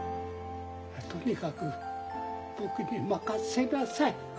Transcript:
とにかく僕に任せなさい。